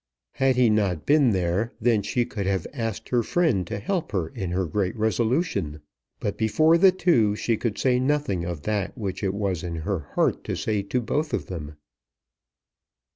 Had he not been there then she could have asked her friend to help her in her great resolution. But before the two she could say nothing of that which it was in her heart to say to both of them.